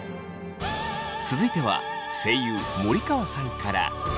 続いては声優森川さんから。